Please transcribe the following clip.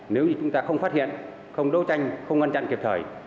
nếu như chúng ta không phát hiện không đấu tranh không ngăn chặn kịp thời